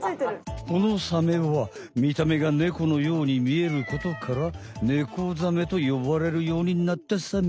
このサメはみためがネコのようにみえることからネコザメとよばれるようになったサメ。